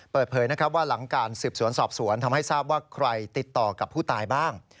เปิดเผยนะครับว่าหลังการสืบสวนสอบสวนทำให้ทราบว่าใครติดต่อกับผู้ตายบ้าง